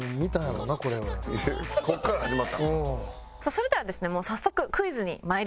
それではですね早速クイズにまいります。